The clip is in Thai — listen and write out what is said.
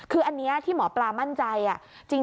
คืออันนี้ที่หมอปลามั่นใจ